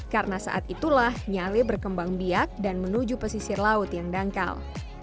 karena saat itulah nyale berkembang biak dan menuju pesisir laut yang dangkal